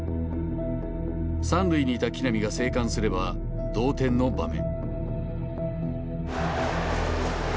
３塁にいた木浪が生還すれば同点の場面。